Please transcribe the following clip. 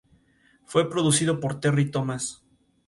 Fue producido por Terry Thomas.